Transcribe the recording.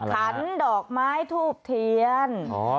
ขันดอกไม้ทูบเทียน